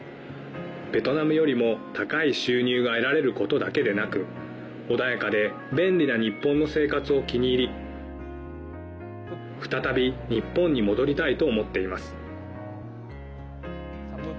ベトナムよりも高い収入が得られることだけでなく穏やかで便利な日本の生活を気に入り再び日本に戻りたいと思っています。